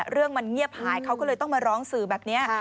เรื่องมันเงียบหายเขาก็เลยต้องมาร้องสื่อแบบนี้